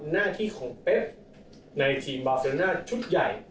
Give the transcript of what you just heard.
หน้าที่ของเป๊กในทีมบาเซน่าชุดใหญ่